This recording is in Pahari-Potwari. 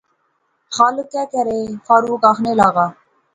خالق کہہ کرے، فاروق آخنے لاغا